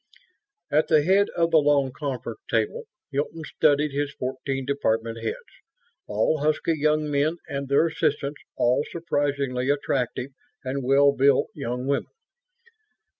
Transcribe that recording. At the head of the long conference table, Hilton studied his fourteen department heads, all husky young men, and their assistants, all surprisingly attractive and well built young women.